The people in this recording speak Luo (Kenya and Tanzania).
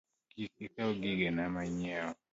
Kik ikaw gigena manyiewo